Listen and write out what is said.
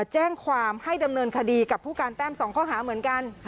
แจ้งความให้ดำเนินคดีกับผู้การแต้ม๒ข้อหาเหมือนกัน